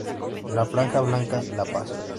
La franja blanca: La Paz.